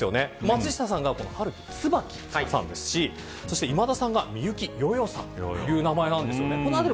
松下さんが春樹椿さんですし今田さんが深雪夜々さんという名前なんですよね。